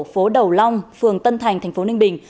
phố đầu long phường tân thành tp ninh bình